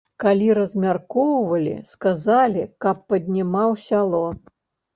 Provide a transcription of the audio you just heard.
Калі размяркоўвалі, сказалі, каб паднімаў сяло.